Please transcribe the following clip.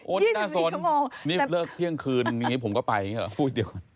โอ๊ยน่าสนนี่เลิกเที่ยงคืนผมก็ไปอย่างนี้เหรอ